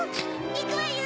いくわよ！